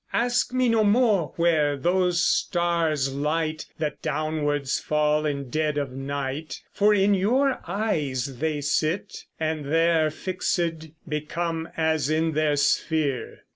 Ask me no more where those stars light That downwards fall in dead of night, For in your eyes they sit, and there Fixèd become as in their sphere.